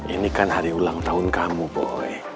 ini kan hari ulang tahun kamu boleh